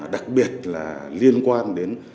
đặc biệt là liên quan đến